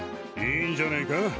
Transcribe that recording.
いいんじゃねえか。